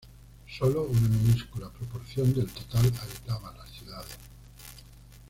Solo una minúscula proporción del total habitaba las ciudades.